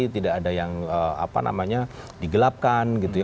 tidak ada yang apa namanya digelapkan gitu ya